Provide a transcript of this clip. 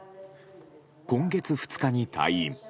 今月２日に退院。